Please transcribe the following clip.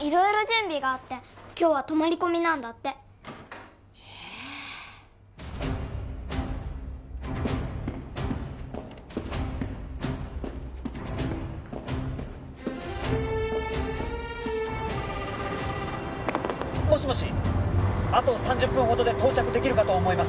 色々準備があって今日は泊まり込みなんだってへえもしもしあと３０分ほどで到着できるかと思います